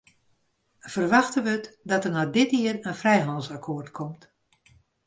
Ferwachte wurdt dat der noch dit jier in frijhannelsakkoart komt.